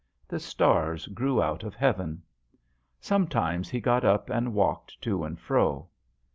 The stars grew out of heaven. Sometimes he got up and walked to and fro.